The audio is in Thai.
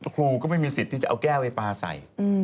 ครูก็ไม่มีสิทธิ์ที่จะเอาแก้วไปปลาใส่